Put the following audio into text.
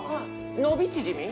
伸び縮み？